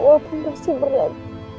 aku pasti berat